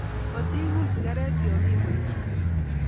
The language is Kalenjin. Matigul sigaret yomi boisiet